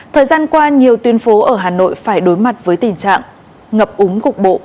thời gian qua nhiều tuyên phố ở hà nội phải đối mặt với tình trạng ngập úng cục bộ